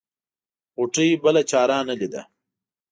غوټۍ بله چاره نه ليده.